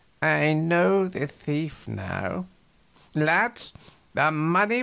"I know the thief now. Lads, the money was stolen."